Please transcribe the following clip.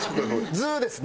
「ズ」ですね？